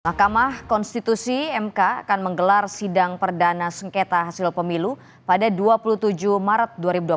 mahkamah konstitusi mk akan menggelar sidang perdana sengketa hasil pemilu pada dua puluh tujuh maret dua ribu dua puluh